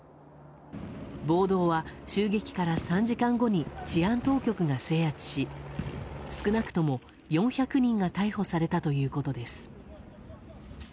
暴動は襲撃から３時間後に治安当局が制圧し少なくとも４００人が逮捕されたということです。